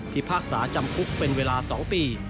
พากษาจำคุกเป็นเวลา๒ปี